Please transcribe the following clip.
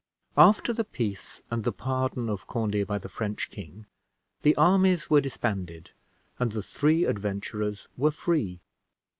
After the peace and the pardon of Conde by the French king, the armies were disbanded, and the three adventurers were free.